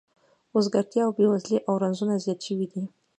وزګارتیا او بې وزلي او رنځونه زیات شوي دي